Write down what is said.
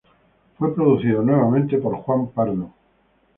Fue producido nuevamente por Juan Pardo.